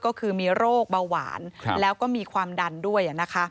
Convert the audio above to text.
ก็คือมีโรคเบาหวานแล้วก็มีความดันด้วย